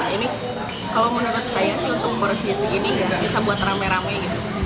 ini kalau menurut saya sih untuk porsi ini bisa buat rame rame gitu